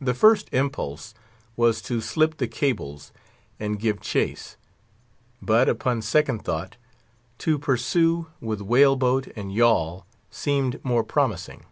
The first impulse was to slip the cables and give chase. But, upon second thoughts, to pursue with whale boat and yawl seemed more promising.